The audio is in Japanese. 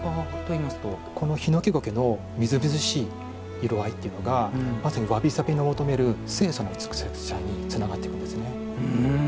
このヒノキゴケのみずみずしい色合いというのがまさにわびさびの求める清楚な美しさにつながっていくんですね。